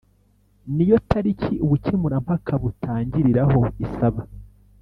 ni yo tariki ubukemurampaka butangiriraho Isaba